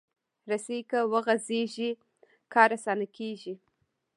رسۍ که وغځېږي، کار اسانه کېږي.